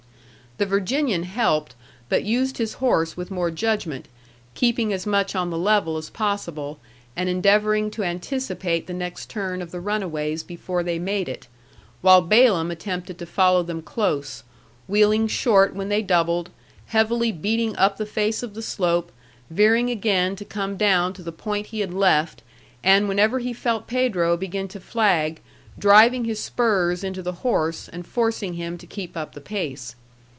The Virginian helped, but used his horse with more judgment, keeping as much on the level as possible, and endeavoring to anticipate the next turn of the runaways before they made it, while Balaam attempted to follow them close, wheeling short when they doubled, heavily beating up the face of the slope, veering again to come down to the point he had left, and whenever he felt Pedro begin to flag, driving his spurs into the horse and forcing him to keep up the pace.